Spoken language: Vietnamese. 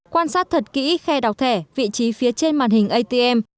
quan sát thật kỹ khe đọc thẻ vị trí phía trên màn hình atm